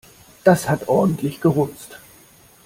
Das hat ordentlich gerumst.